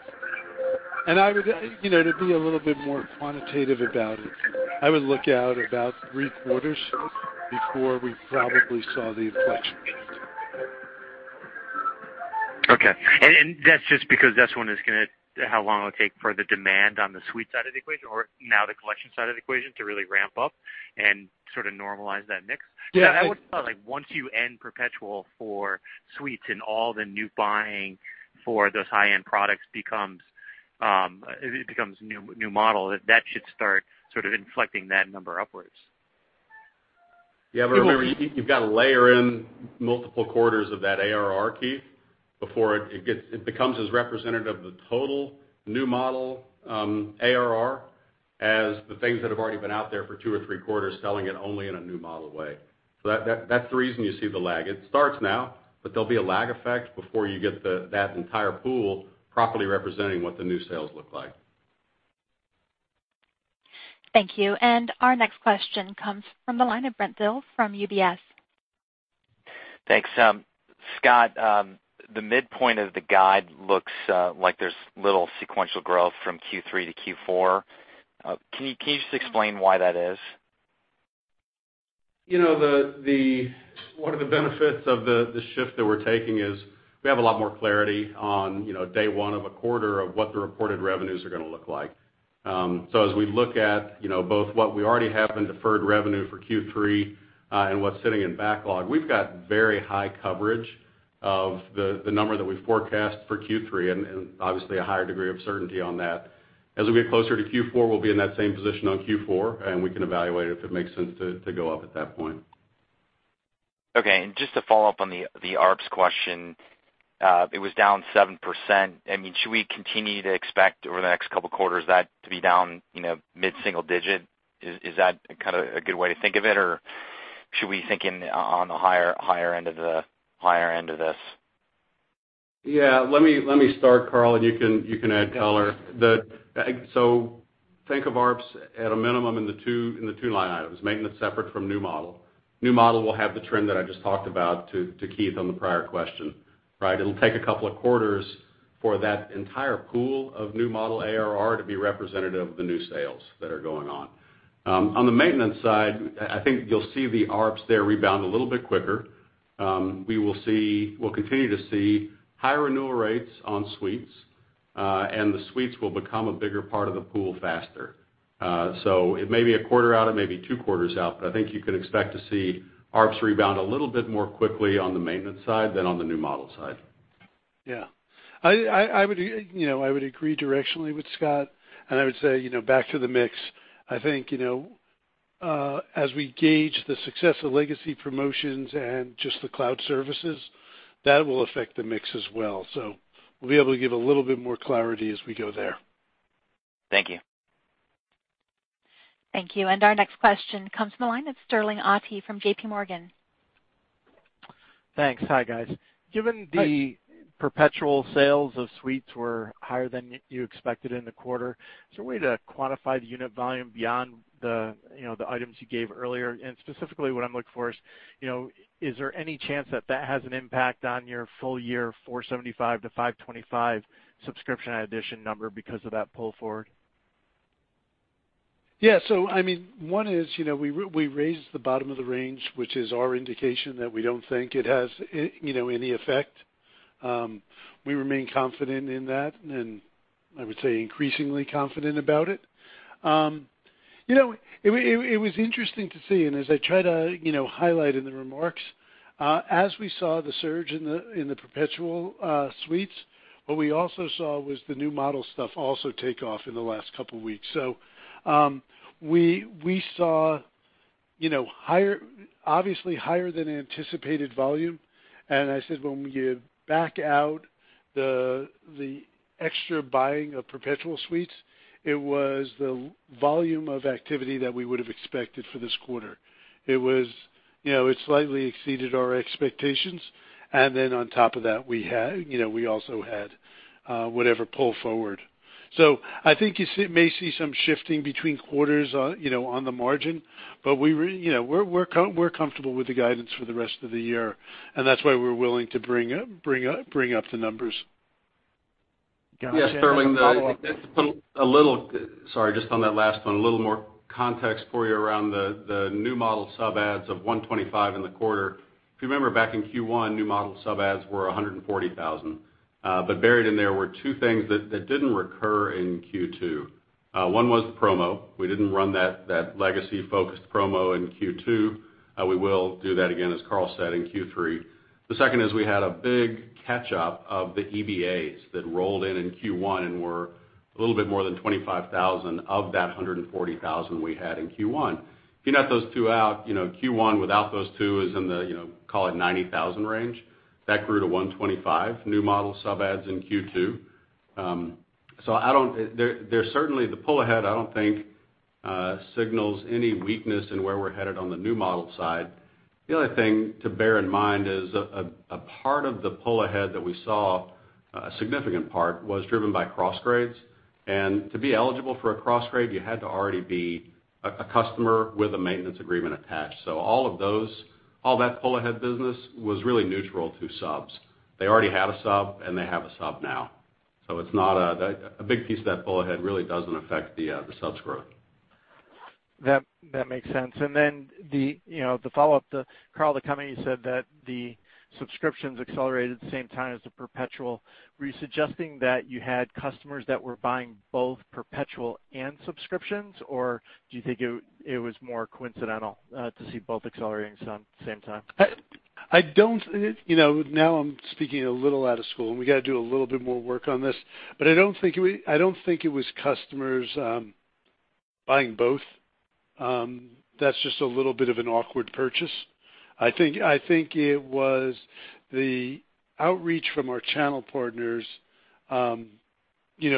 To be a little bit more quantitative about it, I would look out about three quarters before we probably saw the inflection point. Okay. That's just because that's how long it'll take for the demand on the suite side of the equation, or now the Collection side of the equation, to really ramp up and sort of normalize that mix? Yeah. Like once you end perpetual for suites and all the new buying for those high-end products becomes new model, that should start sort of inflecting that number upwards. Remember, you've got to layer in multiple quarters of that ARR, Keith, before it becomes as representative of the total new model ARR as the things that have already been out there for two or three quarters selling it only in a new model way. That's the reason you see the lag. It starts now, there'll be a lag effect before you get that entire pool properly representing what the new sales look like. Thank you. Our next question comes from the line of Brent Thill from UBS. Thanks. Scott, the midpoint of the guide looks like there's little sequential growth from Q3 to Q4. Can you just explain why that is? One of the benefits of the shift that we're taking is we have a lot more clarity on day one of a quarter of what the reported revenues are going to look like. As we look at both what we already have in deferred revenue for Q3, and what's sitting in backlog, we've got very high coverage of the number that we forecast for Q3, and obviously a higher degree of certainty on that. As we get closer to Q4, we'll be in that same position on Q4, and we can evaluate if it makes sense to go up at that point. Okay. Just to follow up on the ARPS question, it was down 7%. Should we continue to expect over the next couple of quarters that to be down mid-single digit? Is that kind of a good way to think of it, or should we be thinking on the higher end of this? Yeah, let me start, Carl, you can add color. Think of ARPS at a minimum in the two line items, maintenance separate from new model. New model will have the trend that I just talked about to Keith on the prior question, right? It'll take a couple of quarters for that entire pool of new model ARR to be representative of the new sales that are going on. On the maintenance side, I think you'll see the ARPS there rebound a little bit quicker. We'll continue to see high renewal rates on suites, and the suites will become a bigger part of the pool faster. It may be a quarter out, it may be two quarters out, but I think you can expect to see ARPS rebound a little bit more quickly on the maintenance side than on the new model side. Yeah. I would agree directionally with Scott, I would say, back to the mix. I think, as we gauge the success of legacy promotions and just the cloud services, that will affect the mix as well. We'll be able to give a little bit more clarity as we go there. Thank you. Thank you. Our next question comes from the line of Sterling Auty from JP Morgan. Thanks. Hi, guys. Hi. Given the perpetual sales of suites were higher than you expected in the quarter, is there a way to quantify the unit volume beyond the items you gave earlier? Specifically, what I'm looking for is there any chance that that has an impact on your full year $475-$525 subscription addition number because of that pull forward? Yeah. One is, we raised the bottom of the range, which is our indication that we don't think it has any effect. We remain confident in that, and I would say increasingly confident about it. It was interesting to see, and as I tried to highlight in the remarks, as we saw the surge in the perpetual suites, what we also saw was the new model stuff also take off in the last couple of weeks. We saw obviously higher than anticipated volume, and I said when we back out the extra buying of perpetual suites, it was the volume of activity that we would've expected for this quarter. It slightly exceeded our expectations, and then on top of that, we also had whatever pull forward. I think you may see some shifting between quarters on the margin, but we're comfortable with the guidance for the rest of the year, and that's why we're willing to bring up the numbers. Yeah. Go on, Scott. Sorry, just on that last one, a little more context for you around the new model sub adds of 125 in the quarter. If you remember back in Q1, new model sub adds were 140,000. Buried in there were two things that didn't recur in Q2. One was the promo. We didn't run that legacy-focused promo in Q2. We will do that again, as Carl said, in Q3. The second is we had a big catch-up of the EBAs that rolled in in Q1 and were a little bit more than 25,000 of that 140,000 we had in Q1. If you net those two out, Q1 without those two is in the, call it 90,000 range. That grew to 125 new model sub adds in Q2. The pull ahead, I don't think, signals any weakness in where we're headed on the new model side. The other thing to bear in mind is a part of the pull ahead that we saw, a significant part, was driven by cross-grades. To be eligible for a cross-grade, you had to already be a customer with a maintenance agreement attached. All of that pull ahead business was really neutral to subs. They already had a sub, and they have a sub now. A big piece of that pull ahead really doesn't affect the subs' growth. That makes sense. Then the follow-up, Carl, the company said that the subscriptions accelerated at the same time as the perpetual. Were you suggesting that you had customers that were buying both perpetual and subscriptions, or do you think it was more coincidental to see both accelerating some at the same time? Now I'm speaking a little out of school, we got to do a little bit more work on this, I don't think it was customers buying both. That's just a little bit of an awkward purchase. I think it was the outreach from our channel partners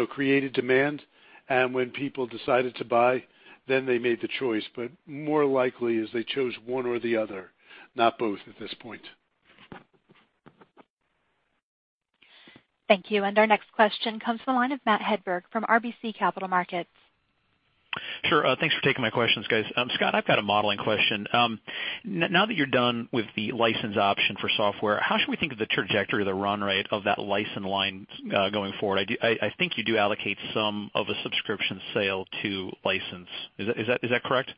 created demand, when people decided to buy, then they made the choice. More likely is they chose one or the other, not both at this point. Thank you. Our next question comes from the line of Matt Hedberg from RBC Capital Markets. Sure. Thanks for taking my questions, guys. Scott, I've got a modeling question. Now that you're done with the license option for software, how should we think of the trajectory of the run rate of that license line going forward? I think you do allocate some of a subscription sale to license. Is that correct?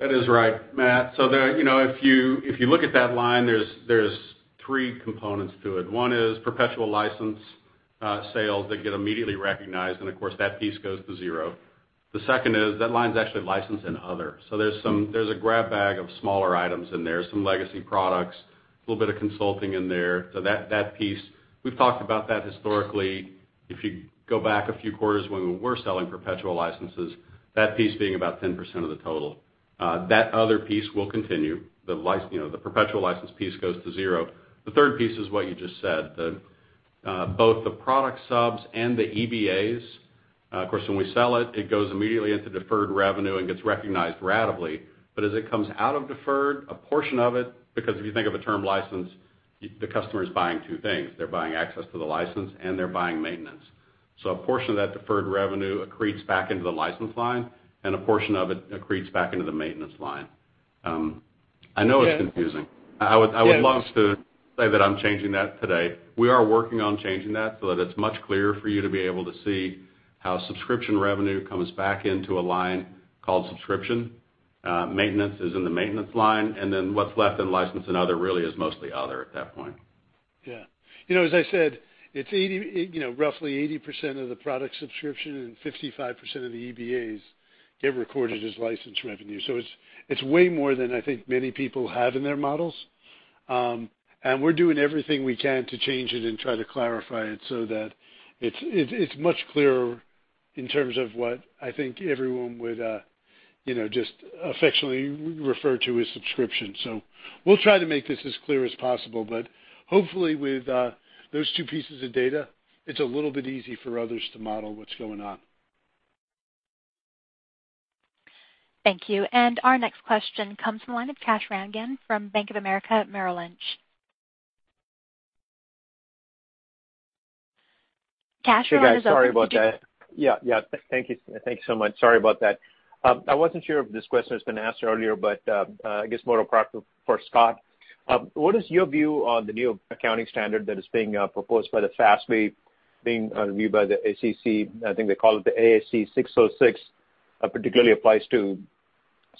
That is right, Matt. If you look at that line, there's three components to it. One is perpetual license sales that get immediately recognized, and of course, that piece goes to zero. The second is that line's actually licensed in other. There's a grab bag of smaller items in there, some legacy products, a little bit of consulting in there. That piece, we've talked about that historically, if you go back a few quarters when we were selling perpetual licenses, that piece being about 10% of the total. That other piece will continue. The perpetual license piece goes to zero. The third piece is what you just said, both the product subs and the EBAs. Of course, when we sell it goes immediately into deferred revenue and gets recognized ratably. As it comes out of deferred, a portion of it, because if you think of a term license, the customer is buying two things. They're buying access to the license, and they're buying maintenance. A portion of that deferred revenue accretes back into the license line, and a portion of it accretes back into the maintenance line. I know it's confusing. I would love to say that I'm changing that today. We are working on changing that so that it's much clearer for you to be able to see how subscription revenue comes back into a line called subscription. Maintenance is in the maintenance line, and then what's left in license and other really is mostly other at that point. Yeah. As I said, it's roughly 80% of the product subscription and 55% of the EBAs get recorded as license revenue. It's way more than I think many people have in their models. We're doing everything we can to change it and try to clarify it so that it's much clearer in terms of what I think everyone would just affectionately refer to as subscription. We'll try to make this as clear as possible, but hopefully with those two pieces of data, it's a little bit easy for others to model what's going on. Thank you. Our next question comes from the line of Kash Rangan from Bank of America Merrill Lynch. Kash Rangan. Hey, guys. Sorry about that. Yeah. Thank you so much. Sorry about that. I wasn't sure if this question has been asked earlier, but I guess more appropriate for Scott. What is your view on the new accounting standard that is being proposed by the FASB, being reviewed by the SEC? I think they call it the ASC 606, particularly applies to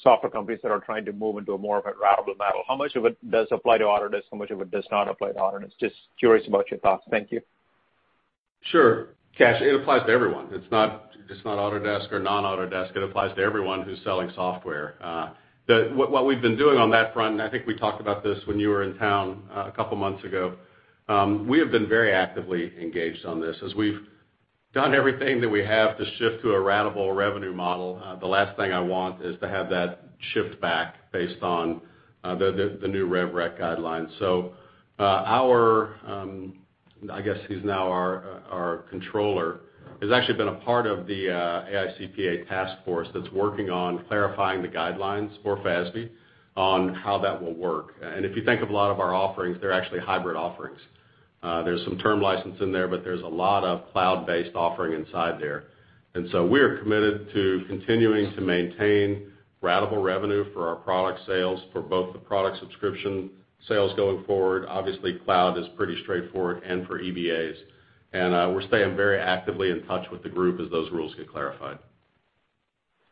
software companies that are trying to move into a more of a ratable model. How much of it does apply to Autodesk? How much of it does not apply to Autodesk? Just curious about your thoughts. Thank you. Sure. Kash, it applies to everyone. It's not Autodesk or non-Autodesk. It applies to everyone who's selling software. What we've been doing on that front, I think we talked about this when you were in town a couple of months ago. We have been very actively engaged on this. As we've done everything that we have to shift to a ratable revenue model, the last thing I want is to have that shift back based on the new rev rec guidelines. Our, I guess he's now our controller, has actually been a part of the AICPA task force that's working on clarifying the guidelines for FASB on how that will work. If you think of a lot of our offerings, they're actually hybrid offerings. There's some term license in there, but there's a lot of cloud-based offering inside there. We are committed to continuing to maintain ratable revenue for our product sales for both the product subscription sales going forward. Obviously, cloud is pretty straightforward and for EBAs. We're staying very actively in touch with the group as those rules get clarified.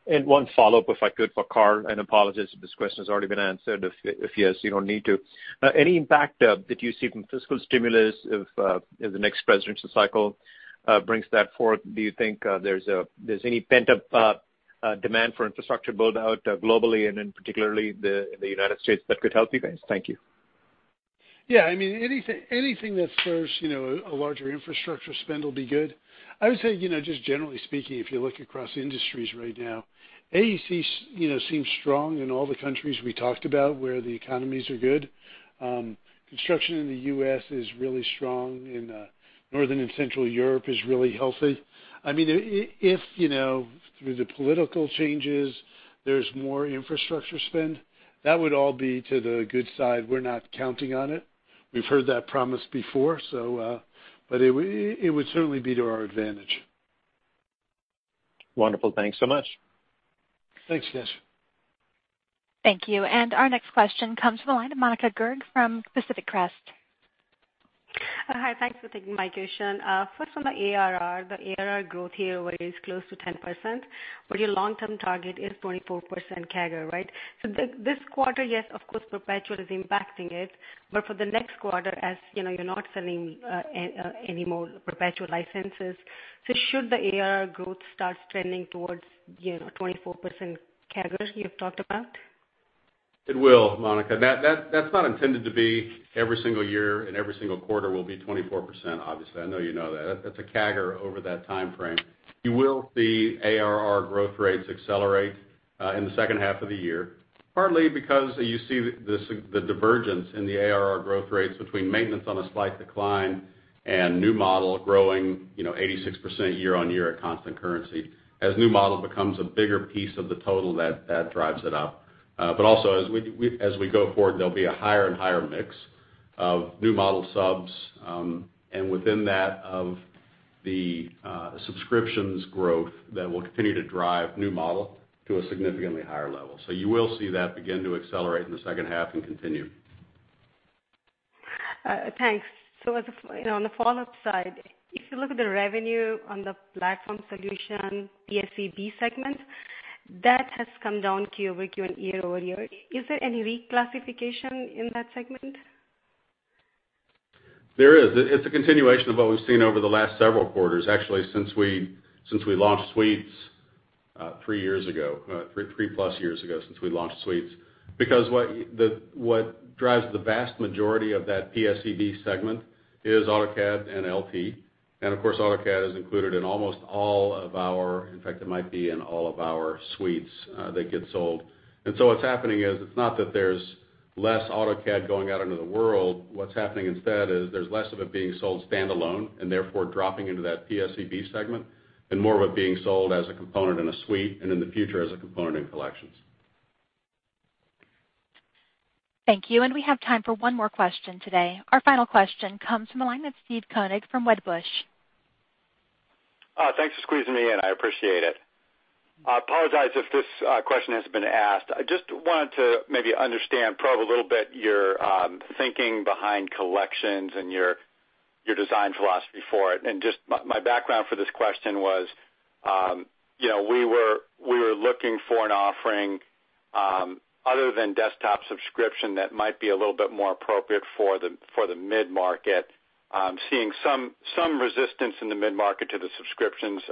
One follow-up, if I could, for Carl, and apologies if this question has already been answered. If yes, you don't need to. Any impact that you see from fiscal stimulus if the next presidential cycle brings that forth? Do you think there's any pent-up demand for infrastructure build-out globally and in particular the U.S. that could help you guys? Thank you. Yeah. Anything that serves a larger infrastructure spend will be good. I would say, just generally speaking, if you look across industries right now, AEC seems strong in all the countries we talked about where the economies are good. Construction in the U.S. is really strong, in Northern and Central Europe is really healthy. If through the political changes, there's more infrastructure spend, that would all be to the good side. We're not counting on it. We've heard that promise before. It would certainly be to our advantage. Wonderful. Thanks so much. Thanks, Kash. Thank you. Our next question comes from the line of Monika Garg from Pacific Crest. Hi. Thanks for taking my question. First, on the ARR, the ARR growth here was close to 10%, but your long-term target is 24% CAGR, right? This quarter, yes, of course, perpetual is impacting it, but for the next quarter, as you're not selling any more perpetual licenses, should the ARR growth start trending towards 24% CAGR you've talked about? It will, Monika. That's not intended to be every single year and every single quarter will be 24%, obviously. I know you know that. That's a CAGR over that timeframe. You will see ARR growth rates accelerate in the second half of the year, partly because you see the divergence in the ARR growth rates between maintenance on a slight decline and new model growing 86% year-on-year at constant currency. As new model becomes a bigger piece of the total, that drives it up. Also, as we go forward, there'll be a higher and higher mix of new model subs, and within that, of the subscriptions growth that will continue to drive new model to a significantly higher level. You will see that begin to accelerate in the second half and continue. Thanks. On the follow-up side, if you look at the revenue on the platform solution, PSEB segment, that has come down quarter-over-quarter and year-over-year. Is there any reclassification in that segment? There is. It's a continuation of what we've seen over the last several quarters, actually, since we launched suites 3-plus years ago. What drives the vast majority of that PSEB segment is AutoCAD and LT. Of course, AutoCAD is included in almost all of our, in fact, it might be in all of our suites that get sold. What's happening is, it's not that there's less AutoCAD going out into the world. What's happening instead is there's less of it being sold standalone, and therefore dropping into that PSEB segment, and more of it being sold as a component in a suite, and in the future as a component in Collections. Thank you. We have time for one more question today. Our final question comes from the line of Steve Koenig from Wedbush. Thanks for squeezing me in. I appreciate it. I apologize if this question has been asked. I just wanted to maybe understand, probe a little bit your thinking behind Collections and your design philosophy for it. My background for this question was we were looking for an offering other than desktop subscription that might be a little bit more appropriate for the mid-market. Seeing some resistance in the mid-market to the subscriptions,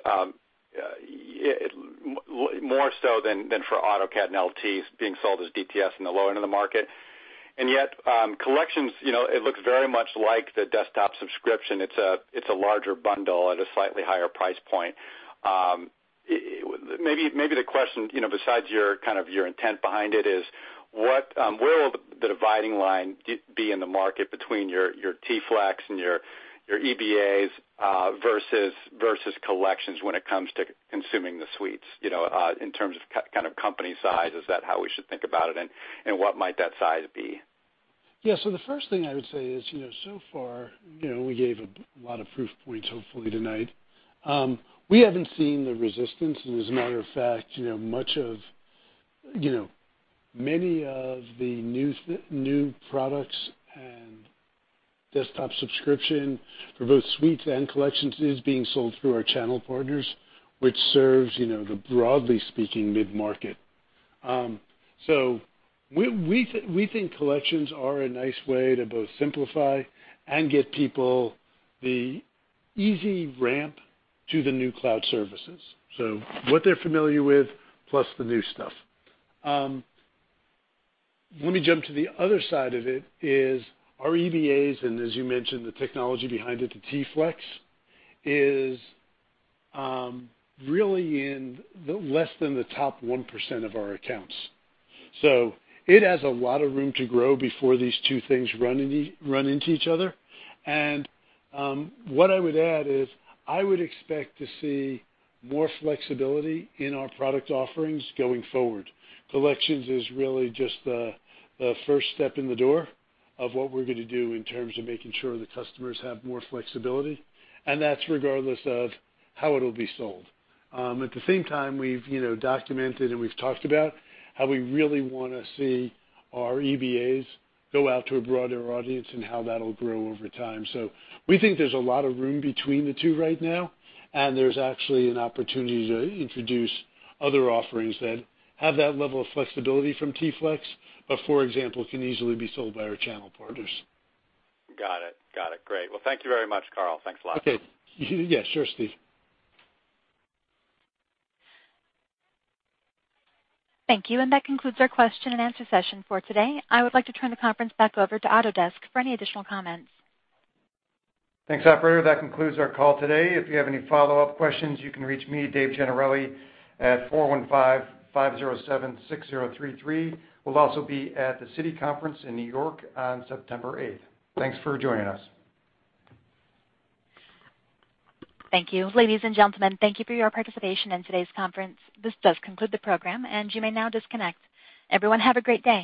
more so than for AutoCAD and LT being sold as DTS in the lower end of the market. Yet, Collections, it looks very much like the desktop subscription. It's a larger bundle at a slightly higher price point. Maybe the question, besides your intent behind it is, where will the dividing line be in the market between your Flex and your EBAs versus Collections when it comes to consuming the suites, in terms of company size? Is that how we should think about it, and what might that size be? Yeah. The first thing I would say is, so far, we gave a lot of proof points, hopefully, tonight. We haven't seen the resistance. As a matter of fact, many of the new products and desktop subscription for both suites and Collections is being sold through our channel partners, which serves the broadly speaking mid-market. We think Collections are a nice way to both simplify and get people the easy ramp to the new cloud services. What they're familiar with, plus the new stuff. Let me jump to the other side of it is our EBAs, and as you mentioned, the technology behind it, the Flex, is really in less than the top 1% of our accounts. It has a lot of room to grow before these two things run into each other. What I would add is I would expect to see more flexibility in our product offerings going forward. Collections is really just the first step in the door of what we're going to do in terms of making sure the customers have more flexibility, and that's regardless of how it'll be sold. At the same time, we've documented and we've talked about how we really want to see our EBAs go out to a broader audience and how that'll grow over time. We think there's a lot of room between the two right now, and there's actually an opportunity to introduce other offerings that have that level of flexibility from Flex, but for example, can easily be sold by our channel partners. Got it. Great. Well, thank you very much, Carl. Thanks a lot. Okay. Yeah, sure, Steve. Thank you. That concludes our question and answer session for today. I would like to turn the conference back over to Autodesk for any additional comments. Thanks, operator. That concludes our call today. If you have any follow-up questions, you can reach me, Dave Gennarelli, at 415-507-6033. We'll also be at the Citi Conference in New York on September 8th. Thanks for joining us. Thank you. Ladies and gentlemen, thank you for your participation in today's conference. This does conclude the program, and you may now disconnect. Everyone, have a great day.